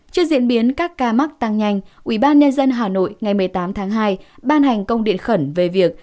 trước diễn biến các ca mắc tăng nhanh ubnd hà nội ngày một mươi tám tháng hai ban hành công điện khẩn về việc